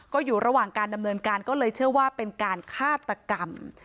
ก็อยู่ระหว่างการดำเนินการก็เลยเชื่อว่าเป็นการฆาตกรรม